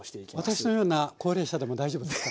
私のような高齢者でも大丈夫ですか？